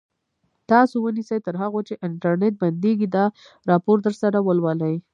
تاسو ونیسئ تر هغو چې انټرنټ بندېږي دا راپور درسره ولولئ.